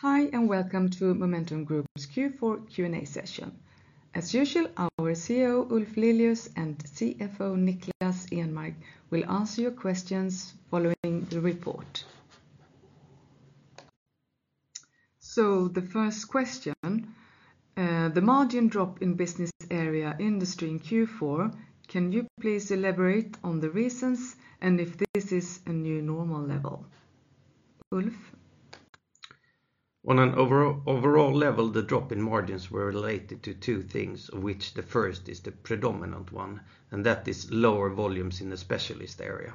Hi, welcome to Momentum Group's Q4 Q&A session. As usual, our CEO, Ulf Lilius, and CFO, Niklas Enmark, will answer your questions following the report. The first question. The margin drop in business area industry in Q4, can you please elaborate on the reasons and if this is a new normal level? Ulf? On an overall level, the drop in margins was related to two things, of which the first is the predominant one, and that is lower volumes in the Specialist area.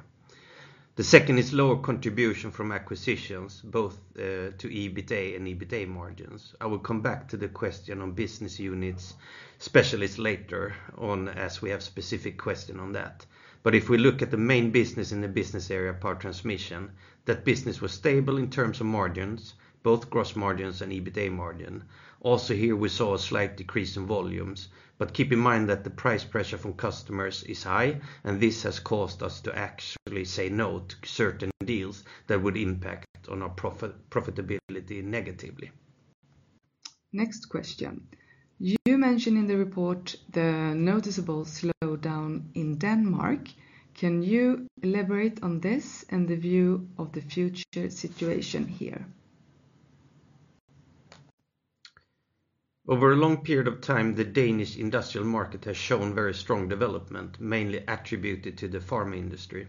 The second is lower contribution from acquisitions, both to EBITA and EBITA margins. I will come back to the question on business unit Specialist later on, as we have specific question on that. If we look at the main business in the business area, power transmission, that business was stable in terms of margins, both gross margins and EBITA margin. Also here, we saw a slight decrease in volumes. Keep in mind that the price pressure from customers is high, and this has caused us to actually say no to certain deals that would impact on our profitability negatively. Next question. You mentioned in the report the noticeable slowdown in Denmark. Can you elaborate on this and the view of the future situation here? Over a long period of time, the Danish industrial market has shown very strong development, mainly attributed to the pharma industry.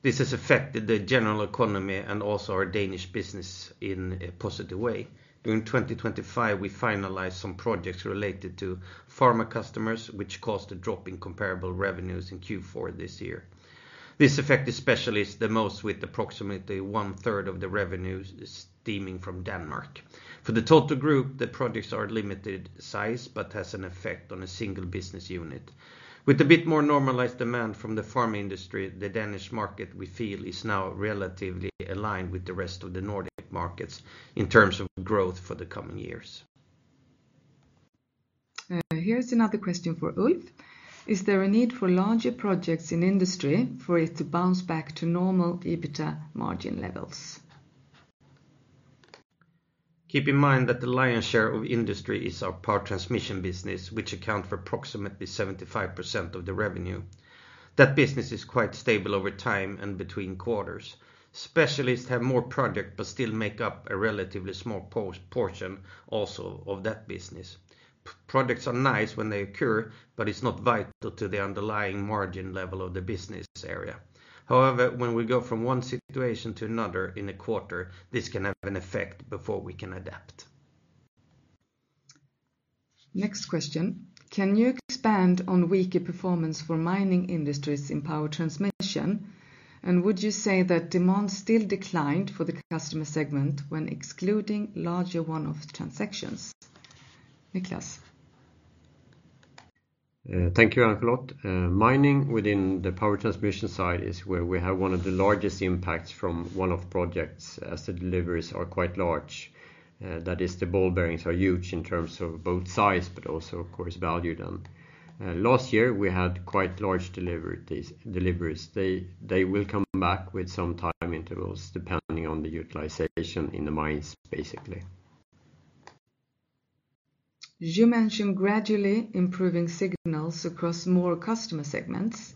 This has affected the general economy and also our Danish business in a positive way. During 2025, we finalized some projects related to pharma customers, which caused a drop in comparable revenues in Q4 this year. This affects Specialist the most, with approximately one third of the revenues stemming from Denmark. For the total group, the projects are limited size, has an effect on a single business unit. With a bit more normalized demand from the pharma industry, the Danish market, we feel, is now relatively aligned with the rest of the Nordic markets in terms of growth for the coming years. Here's another question for Ulf. Is there a need for larger projects in industry for it to bounce back to normal EBITA margin levels? Keep in mind that the lion's share of industry is our power transmission business, which account for approximately 75% of the revenue. That business is quite stable over time and between quarters. Specialists have more project, but still make up a relatively small portion also of that business. Projects are nice when they occur, but it's not vital to the underlying margin level of the business area. However, when we go from one situation to another in a quarter, this can have an effect before we can adapt. Next question. Can you expand on weaker performance for mining industries in power transmission? Would you say that demand still declined for the customer segment when excluding larger one-off transactions? Niklas. Thank you, Ann-Charlotte. Mining within the power transmission side is where we have one of the largest impacts from one-off projects, as the deliveries are quite large. That is, the ball bearings are huge in terms of both size, but also, of course, value. Last year, we had quite large deliveries. They will come back with some time intervals, depending on the utilization in the mines, basically. You mentioned gradually improving signals across more customer segments.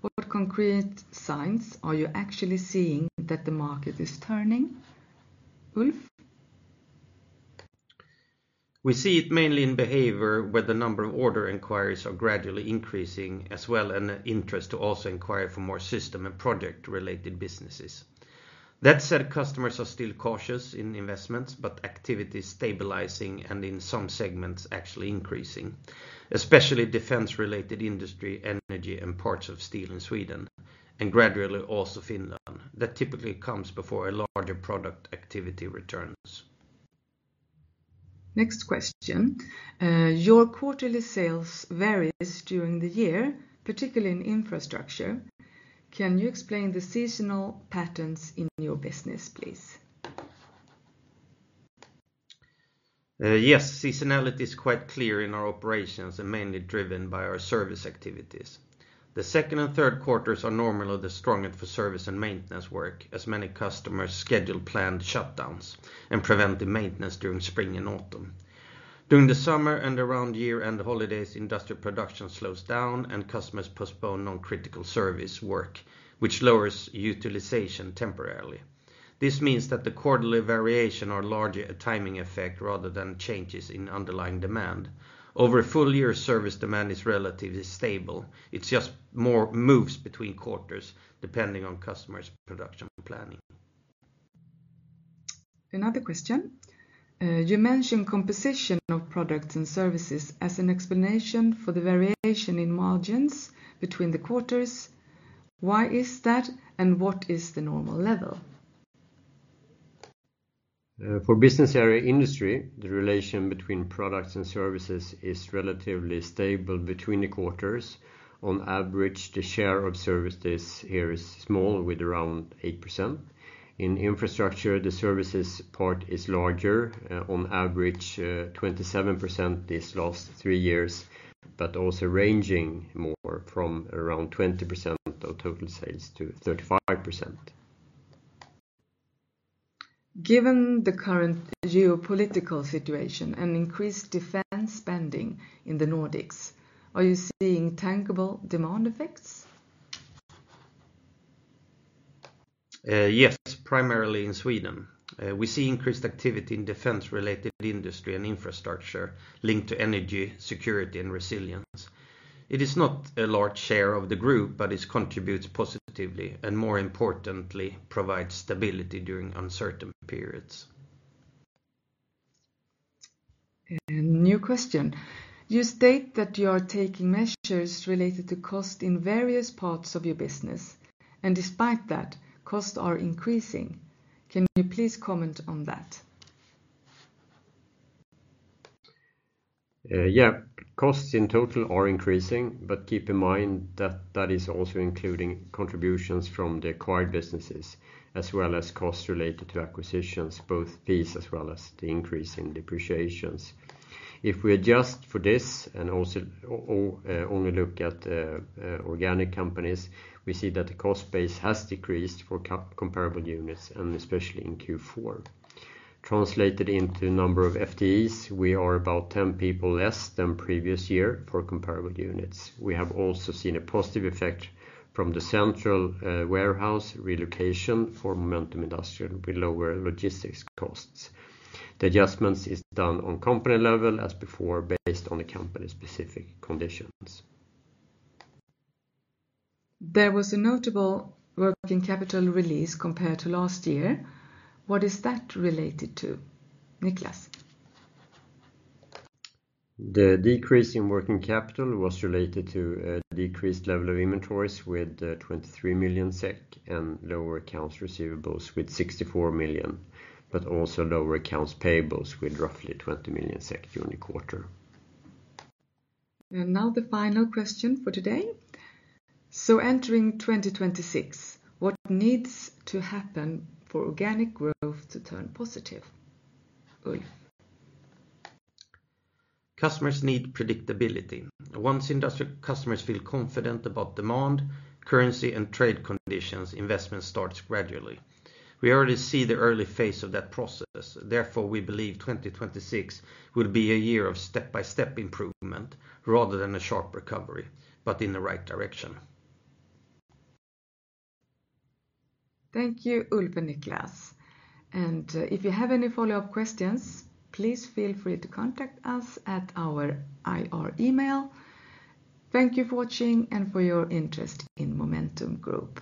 What concrete signs are you actually seeing that the market is turning? Ulf? We see it mainly in behavior, where the number of order inquiries are gradually increasing as well, and an interest to also inquire for more system and project-related businesses. That said, customers are still cautious in investments, but activity is stabilizing and, in some segments, actually increasing, especially defense-related industry, energy, and parts of steel in Sweden, and gradually also Finland. That typically comes before a larger product activity returns. Next question. Your quarterly sales varies during the year, particularly in infrastructure. Can you explain the seasonal patterns in your business, please? Yes. Seasonality is quite clear in our operations and mainly driven by our service activities. The second and third quarters are normally the strongest for service and maintenance work, as many customers schedule planned shutdowns and preventive maintenance during spring and autumn. During the summer and around year-end holidays, industrial production slows down, and customers postpone non-critical service work, which lowers utilization temporarily. This means that the quarterly variation are largely a timing effect rather than changes in underlying demand. Over a full year, service demand is relatively stable. It just moves between quarters, depending on customers' production planning. Another question. You mentioned composition of products and services as an explanation for the variation in margins between the quarters. Why is that, and what is the normal level? For business area industry, the relation between products and services is relatively stable between the quarters. On average, the share of services here is small, with around 8%. In infrastructure, the services part is larger, on average 27% these last three years, but also ranging more from around 20%-35% of total sales. Given the current geopolitical situation and increased defense spending in the Nordics, are you seeing tangible demand effects? Yes, primarily in Sweden. We see increased activity in defense-related industry and infrastructure linked to energy, security, and resilience. It is not a large share of the group, but it contributes positively and, more importantly, provides stability during uncertain periods. New question. You state that you are taking measures related to cost in various parts of your business, and despite that, costs are increasing. Can you please comment on that? Yes. Costs in total are increasing, but keep in mind that that is also including contributions from the acquired businesses, as well as costs related to acquisitions, both fees as well as the increase in depreciations. If we adjust for this and also only look at organic companies, we see that the cost base has decreased for comparable units, and especially in Q4. Translated into the number of FTEs, we are about 10 people less than previous year for comparable units. We have also seen a positive effect from the central warehouse relocation for Momentum Industrial with lower logistics costs. The adjustments are done on a company level as before, based on the company's specific conditions. There was a notable working capital release compared to last year. What is that related to, Niklas? The decrease in working capital was related to a decreased level of inventories with 23 million SEK and lower accounts receivables with 64 million, but also lower accounts payables with roughly 20 million SEK during the quarter. Now the final question for today. Entering 2026, what needs to happen for organic growth to turn positive, Ulf? Customers need predictability. Once industrial customers feel confident about demand, currency, and trade conditions, investment starts gradually. We already see the early phase of that process. Therefore, we believe 2026 will be a year of step-by-step improvement rather than a sharp recovery, but in the right direction. Thank you, Ulf and Niklas. If you have any follow-up questions, please feel free to contact us at our IR email. Thank you for watching and for your interest in Momentum Group.